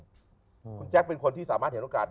คุณแจ๊คเป็นคนที่สามารถเห็นโอกาส